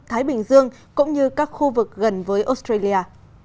thái bình dương cũng như các khu vực gần với australia